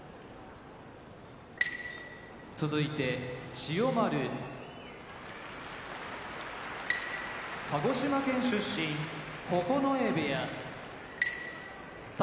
千代丸鹿児島県出身九重部屋宝